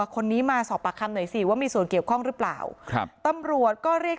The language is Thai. คนนี้มาสอบปากคำหน่อยสิว่ามีส่วนเกี่ยวข้องหรือเปล่าครับตำรวจก็เรียก